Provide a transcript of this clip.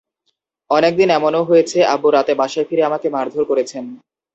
অনেক দিন এমনও হয়েছে, আব্বু রাতে বাসায় ফিরে আমাকে মারধর করেছেন।